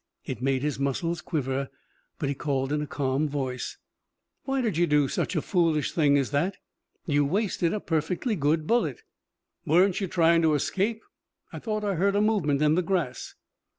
It made his muscles quiver, but he called in a calm voice: "Why did you do such a foolish thing as that? You wasted a perfectly good bullet." "Weren't you trying to escape? I thought I heard a movement in the grass."